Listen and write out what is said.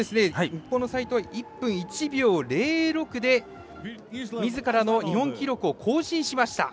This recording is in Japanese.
日本の齋藤は１分１秒０６で自らの日本記録を更新しました。